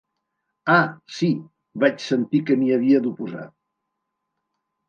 Ah, sí, vaig sentir que m'hi havia d'oposar.